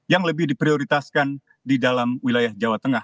yang lebih diprioritaskan di dalam wilayah jawa tengah